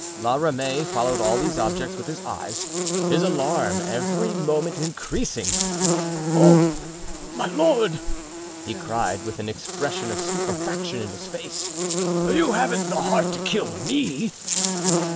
La Ramee followed all these objects with his eyes, his alarm every moment increasing. "Oh, my lord," he cried, with an expression of stupefaction in his face; "you haven't the heart to kill me!"